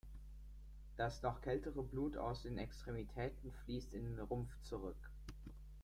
Das noch kältere Blut aus den Extremitäten fließt in den Rumpf zurück.